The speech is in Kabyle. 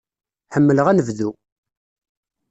Ḥemmleɣ anebdu.